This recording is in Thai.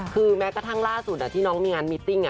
คือแม้กระทั่งล่าสุดที่น้องมีงานมิตติ้ง